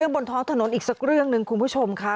บนท้องถนนอีกสักเรื่องหนึ่งคุณผู้ชมค่ะ